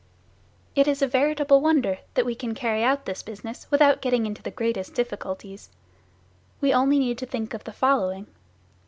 It is a veritable wonder that we can carry out this business without getting into the greatest difficulties. We only need to think of the following.